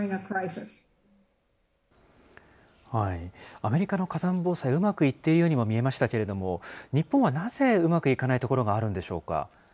アメリカの火山防災、うまくいっているようにも見えましたけれども、日本はなぜうまくいかないところがあるんでしょうか。